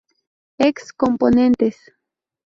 Ex Componentes